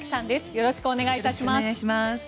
よろしくお願いします。